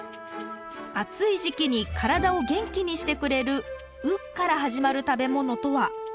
暑い時期に体を元気にしてくれる「う」から始まる食べ物とは？